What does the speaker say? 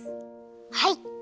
はい。